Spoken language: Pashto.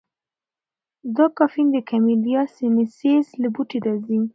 دا کافین د کمیلیا سینینسیس له بوټي راځي.